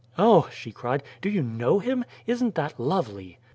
"Oh," she cried, "do you know HIM? Isn't that lovely?"